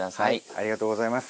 ありがとうございます。